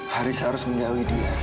haris harus menjauhi dia